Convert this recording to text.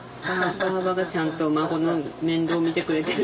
ばあばがちゃんと孫の面倒見てくれてるっていう。